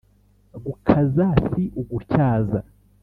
Gukaza ni ugutyaza